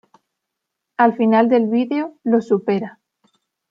Al final del video, lo supera.